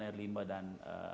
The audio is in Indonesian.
air limbah dan